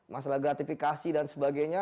masalah gratifikasi dan sebagainya